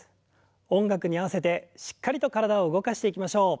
音楽に合わせてしっかりと体を動かしていきましょう。